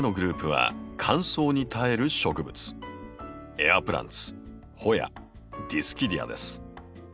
エアプランツホヤディスキディアです。